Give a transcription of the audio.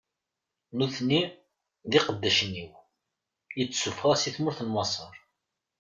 Nutni, d iqeddacen-iw, i d-ssufɣeɣ si tmurt n Maṣer.